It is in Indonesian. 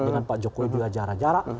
dengan pak jokowi juga jarak jarak